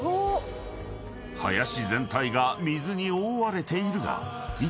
［林全体が水に覆われているが］